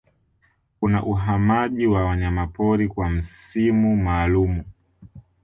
Kuna Uhamaji wa Wanyamapori kwa msimu maalumu